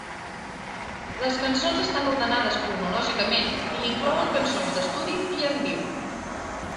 Les cançons estan ordenades cronològicament i inclouen cançons d'estudi i en viu.